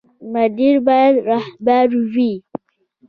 مدیر باید رهبر وي